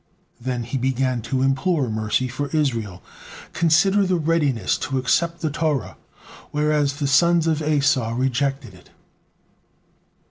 Then he began to implore mercy for Israel: "Consider their readiness to accept the Torah, whereas the sons of Esau rejected it."